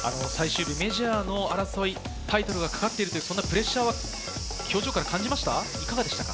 メジャーの争い、タイトルがかかっている、そんなプレッシャーは表情から感じましたか？